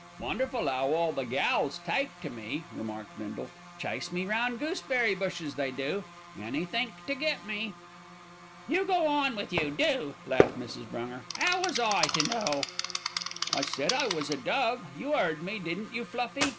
"Wonderful 'ow all the gals take to me," remarked Bindle. "Chase me round gooseberry bushes, they do; anythink to get me." "You go on with you, do," laughed Mrs. Brunger. "How was I to know?" "I said I was a dove. You 'eard me, didn't you, Fluffy?"